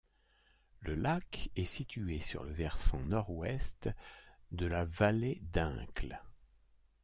Le lac est située sur le versant nord-ouest de la vallée d'Incles.